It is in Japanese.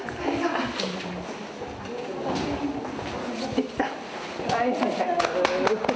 できた。